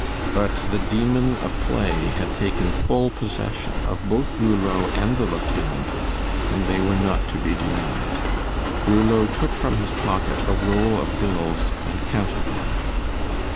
But the demon of play had taken full possession of both Rouleau and the lieutenant and they were not to be denied. Rouleau took from his pocket a roll of bills and counted them.